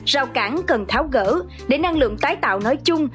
rào cản cần tháo gỡ để năng lượng tái tạo nói chung